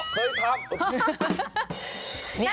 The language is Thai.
เคยทำ